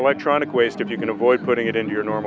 họ không biết làm gì với trái điện tử nữa